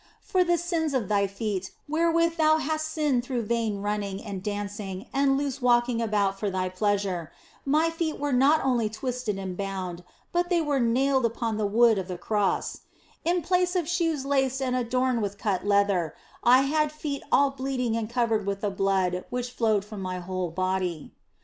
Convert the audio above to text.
" For the sins of thy feet, wherewith thou hast sinned through vain running and dancing and loose walking about for thy pleasure, My feet were not only twisted and bound, but were nailed upon the wood of the Cross ; in place of shoes laced and adorned with cut leather, I had feet all bleeding and covered with the blood which flowed from My whole body.